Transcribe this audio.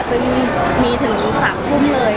ซึ่งมีถึง๓ทุ่มเลย